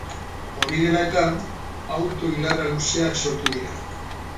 Hori dela eta, auto-ilara luzeak sortu dira.